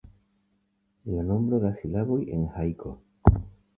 La nombro da silaboj en hajko.